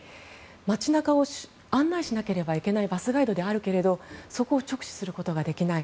街中を案内しなければいけないバスガイドだけれどもそこを直視することができない。